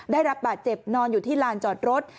ได้รับบาดเจ็บนอนอยู่ที่ลานจอดรถ